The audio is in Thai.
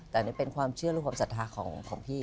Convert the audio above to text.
แต่นี่เป็นความเชื่อและความศรัทธาของพี่